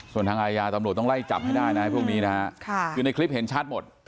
ส่วนทางอาญาตำรวจต้องไล่จับให้ได้นะพวกนี้นะฮะคือในคลิปเห็นชัดหมด